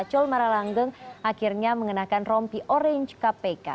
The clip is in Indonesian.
col maralanggeng akhirnya mengenakan rompi orange kpk